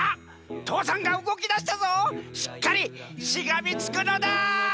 父山がうごきだしたぞしっかりしがみつくのだ！